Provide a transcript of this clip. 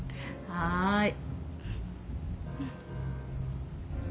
はい。